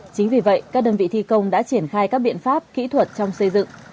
chính vì vậy các đơn vị thi công đã triển khai các biện pháp kỹ thuật trong xây dựng